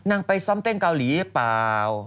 ไปซ้อมเต้นเกาหลีหรือเปล่า